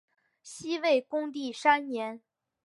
西魏恭帝三年。